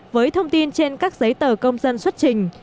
với thông tin trên các giấy tờ công dân xuất trình